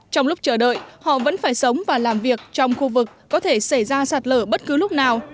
trong lúc chờ đợi họ vẫn phải sống và làm việc trong khu vực có thể xảy ra sạt lở bất cứ lúc nào